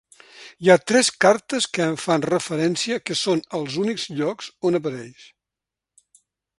Hi ha tres cartes que en fan referència que són als únics llocs on apareix.